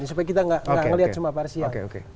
supaya kita tidak melihat cuma parsial